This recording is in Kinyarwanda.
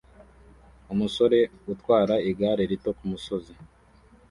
umusore utwara igare rito kumusozi